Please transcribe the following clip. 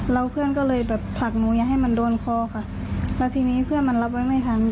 แล้วเพื่อนก็เลยแบบผลักหนูอย่าให้มันโดนคอค่ะแล้วทีนี้เพื่อนมันรับไว้ไม่ทัน